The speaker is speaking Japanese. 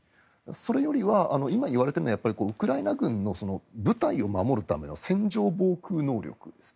それよりは今言われているのはウクライナ軍の部隊を守るための戦場防空能力です。